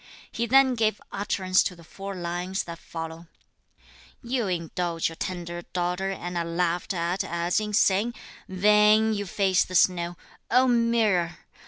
He then gave utterance to the four lines that follow: You indulge your tender daughter and are laughed at as inane; Vain you face the snow, oh mirror!